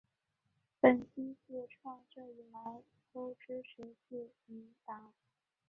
本区自创设以来都支持自民党。